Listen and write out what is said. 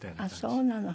あっそうなの。